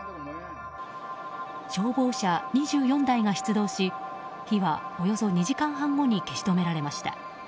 消防車２４台が出動し火は、およそ２時間半後に消し止められました。